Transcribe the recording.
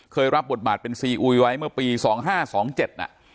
รับบทบาทเป็นซีอุยไว้เมื่อปี๒๕๒๗น่ะ